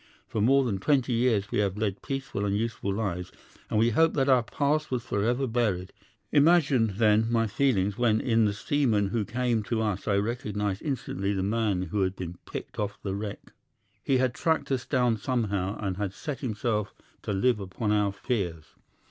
For more than twenty years we have led peaceful and useful lives, and we hoped that our past was forever buried. Imagine, then, my feelings when in the seaman who came to us I recognised instantly the man who had been picked off the wreck. He had tracked us down somehow, and had set himself to live upon our fears.